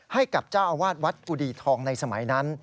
ให้กับเจ้าอาวาสวัดกุดีทองในสมัยนั้น